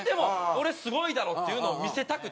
俺すごいだろっていうのを見せたくて。